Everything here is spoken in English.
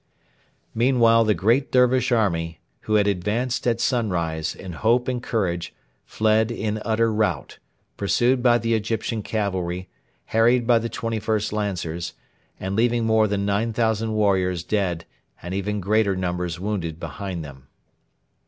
Meanwhile the great Dervish army, who had advanced at sunrise in hope and courage, fled in utter rout, pursued by the Egyptian cavalry, harried by the 21st Lancers, and leaving more than 9,000 warriors dead and even greater numbers wounded behind them.